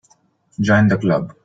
Join the Club.